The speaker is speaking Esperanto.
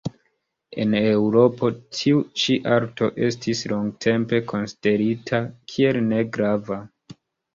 En Eŭropo, tiu ĉi arto estis longtempe konsiderita kiel negrava.